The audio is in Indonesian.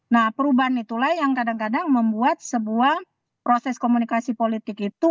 nah perubahan itulah yang kadang kadang membuat sebuah proses komunikasi politik itu